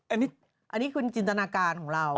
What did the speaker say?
อันนี้คือจินตนาการของเรา